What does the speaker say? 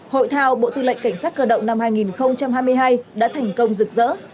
hội thao bộ tư lệnh cảnh sát cơ động năm hai nghìn hai mươi hai đã thành công rực rỡ